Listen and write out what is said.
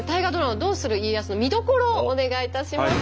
「どうする家康」の見どころをお願いいたします。